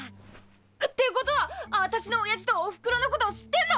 って事はアタシの親父とおふくろの事知ってんの！？